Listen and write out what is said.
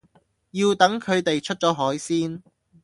要等佢哋出咗海先